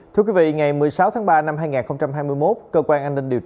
thưa quý vị ngày một mươi sáu tháng ba năm hai nghìn hai mươi một